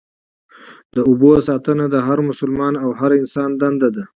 د اوبو ساتنه د هر مسلمان او هر انسان دنده ده.